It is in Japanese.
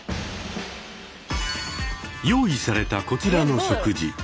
用意されたこちらの食事。